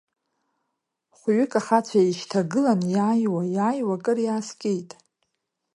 Хәҩык ахацәа еишьҭагылан, иааиуа, иааиуа, кыр иааскьеит.